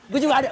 gue juga ada